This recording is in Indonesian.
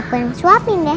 aku yang suapin deh